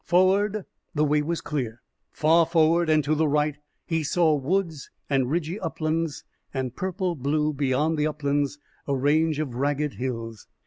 Forward the way was clear. Far forward and to the right, he saw woods and ridgy uplands, and purple blue beyond the uplands a range of ragged hills.